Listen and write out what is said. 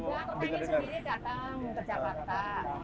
aku pengen sendiri datang ke jakarta